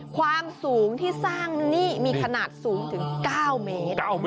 ความสูงที่สร้างนี่มีขนาดสูงถึง๙เมตร